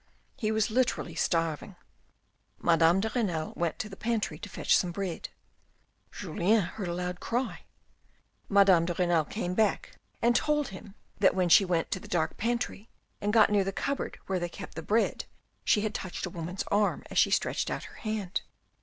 He was literally starving. Madame de Renal went to the pantry to fetch some bread. Julien heard a loud cry. Madame de Renal came back and told him that when she went to the dark pantry and got near the cupboard where they kept the bread, she had touched a woman's arm as she stretched out her hand.